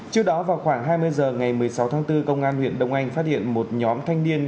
trước đó vào khoảng hai mươi h ngày một mươi sáu tháng bốn công an huyện đông anh phát hiện một nhóm thanh niên